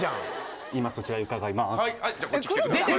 今そちらへ伺います